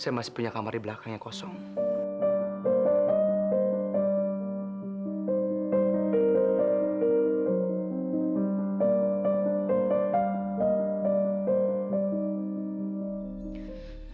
saya masih punya kamar di belakangnya kosong